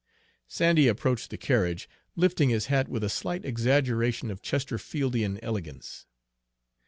Sandy approached the carriage, lifting his hat with a slight exaggeration of Chesterfieldian elegance.